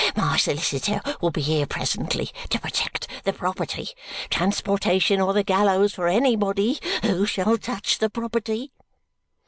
My solicitor will be here presently to protect the property. Transportation or the gallows for anybody who shall touch the property!"